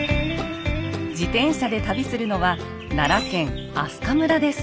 自転車で旅するのは奈良県明日香村です。